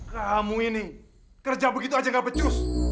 kamu ini kerja begitu saja tidak becus